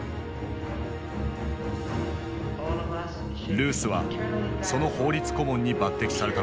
ルースはその法律顧問に抜てきされたのだ。